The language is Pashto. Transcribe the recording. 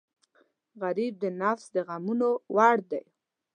غریب د نفس د غمونو وړ دی